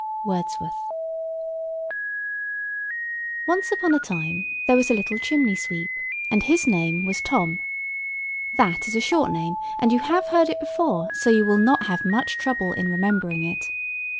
WORDSWORTH. [Picture: Little chimney sweep] ONCE upon a time there was a little chimney sweep, and his name was Tom. That is a short name, and you have heard it before, so you will not have much trouble in remembering it.